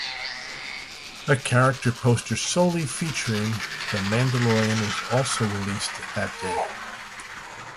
A character poster solely featuring the Mandalorian was also released that day.